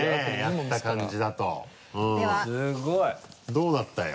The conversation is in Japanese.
どうなったよ？